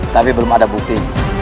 tapi belum ada bukti